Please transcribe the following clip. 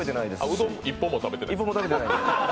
うどんも食べていない。